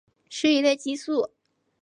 是一类激素。